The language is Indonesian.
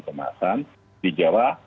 kemasan di jawa